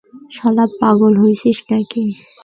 শালা পাগল হয়েছিস নাকি?